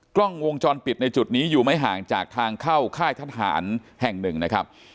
กล้องวงจรปิดในจุดนี้อยู่ไม่ห่างจากทางเข้าค่ายทหารแห่งหนึ่งนะครับ